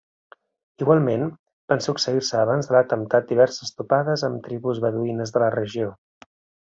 Igualment, van succeir-se abans de l'atemptat diverses topades amb tribus beduïnes de la regió.